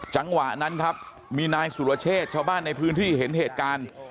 จังหวะนั้นครับมีนายสุรเชษชาวบ้านในพื้นที่เห็นเหตุการณ์